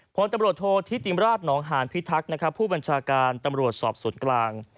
เพราะคนตำรวจโทษทิศจีมราชหนอหางพิทักผู้บัญชาการตำรวจสวมกลาง